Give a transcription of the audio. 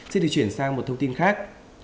xin được chuyển sang một thông tin khác